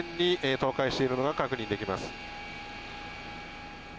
完全に倒壊しているのが確認できます。